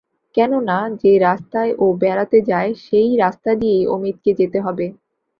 কেননা, যে রাস্তায় ও বেড়াতে যায় সেই রাস্তা দিয়েই অমিতকে যেতে হবে।